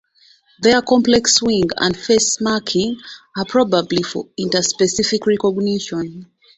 Their complex wing and face marking are probably for interspecific recognition.